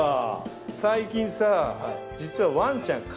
最近さ実は。